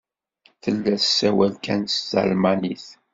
Tella tessawal kan s talmanit.